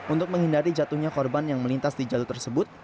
untuk menghindari jatuhnya korban yang melintas di jalur tersebut